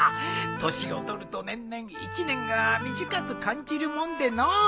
年を取ると年々一年が短く感じるもんでのう。